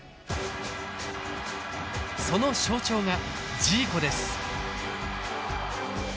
その象徴がジーコです。